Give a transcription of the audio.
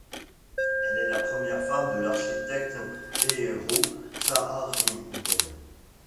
Elle est la première femme de l'architecte Eero Saarinen.